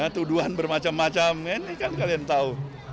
tuduhan bermacam macam ini kan kalian tahu